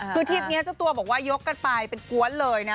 คือทริปนี้เจ้าตัวบอกว่ายกกันไปเป็นกวนเลยนะ